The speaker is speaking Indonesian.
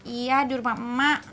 iya di rumah emak